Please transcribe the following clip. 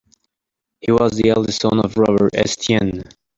He was the eldest son of Robert Estienne.